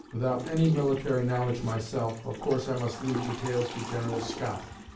Without any military knowledge myself, of course I must leave details to General Scott.